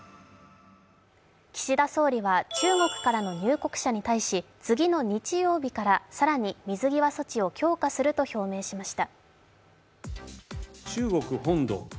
岸田総理は中国からの入国者に対し次の日曜日から更に水際措置を強化すると表明しました。